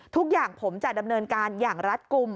ทุกอย่างผมจะดำเนินการอย่างรัฐกลุ่ม